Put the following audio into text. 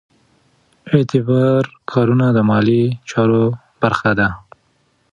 اعتبار کارتونه د مالي چارو برخه ده.